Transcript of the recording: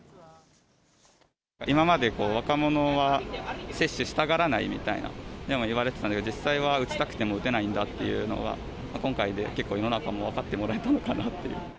今まで若者は接種したがらないみたいな、言われてたんですけど、実際は打ちたくても打てないんだというのは、今回で結構、世の中も分かってもらえたのかなと。